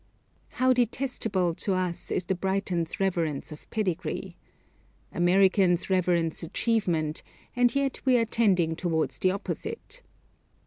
How detestable to us is the Briton's reverence of pedigree. Americans reverence achievement, and yet we are tending towards the opposite.